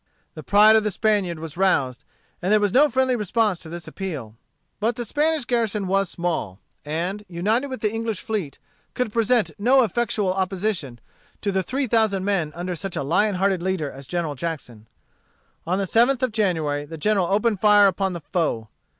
The pride of the Spaniard was roused, and there was no friendly response to this appeal. But the Spanish garrison was small, and, united with the English fleet, could present no effectual opposition to the three thousand men under such a lion hearted leader as General Jackson. On the 7th of January the General opened fire upon the foe.